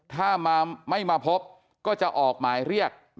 ถ้าไม่มาพบก็จะออกหมายเรียก